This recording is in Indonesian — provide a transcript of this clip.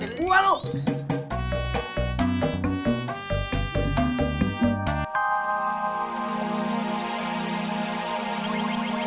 sampai jumpa lagi